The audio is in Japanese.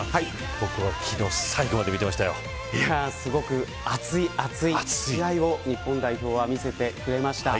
僕は昨日すごく熱い熱い試合を日本代表は見せてくれました。